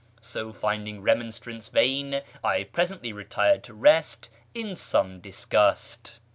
So, finding remonstrance vain, I presently retired to rest in some disgust.